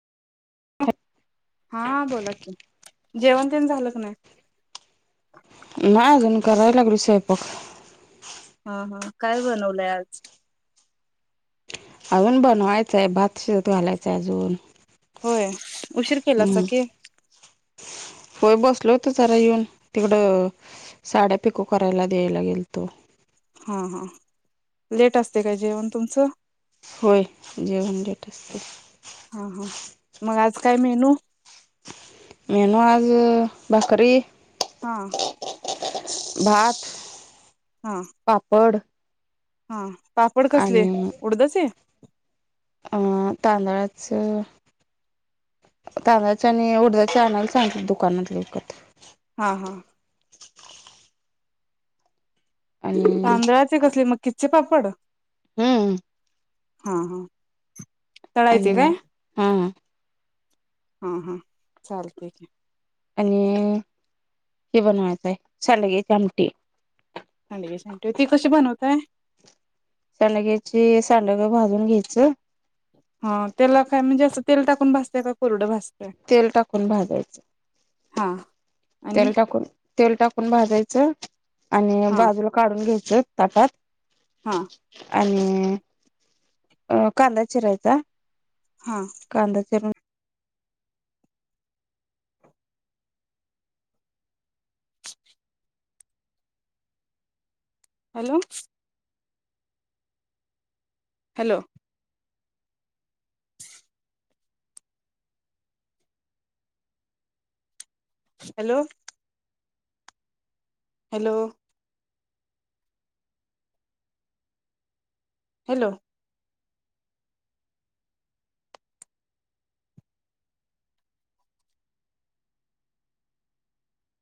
हॅ हा बोला कि जेवण तेण झालं काय नाही? नाही अजून कराय लागलोय स्वयंपाक. हा हा काय बनवलंय आज? अजून बनवायचंय भात शिजत घालायचा आहे अजून. होय, उशीर केलासा हम्म कि. होय, बसल होत जरा येऊन तिकडं साड्या पिको करायला द्यायला गेलतो. हा हा लेट असते काय जेवण तुमचं. होय जेवन लेट असते. हा हा [inaudible] मग आज काय मेनू? [inaudible] मेनू आज भाकरी हा. भात, हा पापड [inaudible] हा पापड कसले उडदाचे. अं तांदळाच तांदळाच आणि उडदाच्या आणायला सांगीतले दुकानातन विकत. हा हा आणि तांदळाचे कसले मग किच्चे पापड हम्म हा हा अ तळायचे काय? हा हा हा चाल ठीक आहे आणि हे बनवायचं आहे सांडग्याची आमटी सांडग्याची आमटी ती कशी बनवताय? शलग्याची सांडगे भाजून घ्यायचं हा त्याला काय म्हणजे असं तेल टाकून भासते का कोरडं भाजताय? तेल टाकून भाजायचं हा आणि तेल टाकून तेल टाकून भाजायचं आणि हा बाजूला काढून घ्यायच ते तठात हा आणि अ कांदा चिरायचा हा कांदा चिरून hello hello hello hello hello